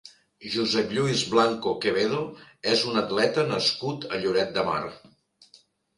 Josep Lluís Blanco Quevedo és un atleta nascut a Lloret de Mar.